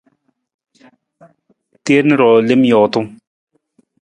Teen ruu lem jootung.